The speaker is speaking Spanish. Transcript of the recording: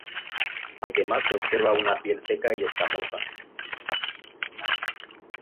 Además se observa una piel seca y escamosa.